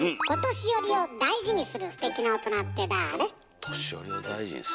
お年寄りを大事にする。